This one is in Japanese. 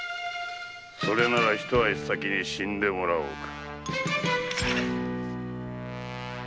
それなら一足先に死んでもらおうか。